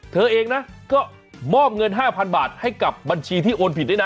เธอเองนะก็มอบเงิน๕๐๐๐บาทให้กับบัญชีที่โอนผิดด้วยนะ